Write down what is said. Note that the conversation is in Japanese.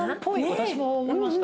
私も思いました。